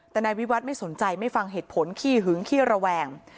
แต่นายวิวัฒน์ไม่สนใจไม่ฟังเหตุผลขี้หึงขี้ระแวง